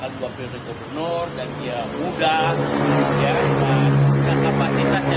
dia bekas dua gubernur dan dia mudah dan kapasitasnya cukup layak